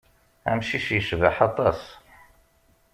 Amcic yecbaḥ aṭas.